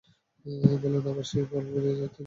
Balloon আবার সেই বল ফিরিয়ে দিচ্ছে ঢিলকে।